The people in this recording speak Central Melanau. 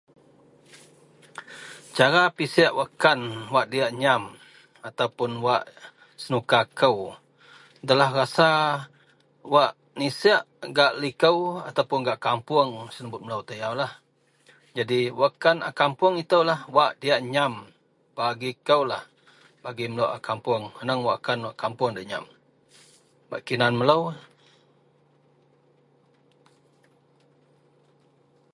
cara pisek wakkan wak diak nyaam ataupun wak senuka kou adalah rasa wak nisek gak liko ataupun gak kapoung, senebut melou itaw yaulah, jadi wakkan a kapounglah itoulah wak diak nyaam bagi koulah bagi melou a kapoung, anang wakkan wak kapoung diak nyaam bak kinan melou